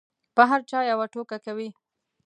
په هر چا یوه ټوکه کوي.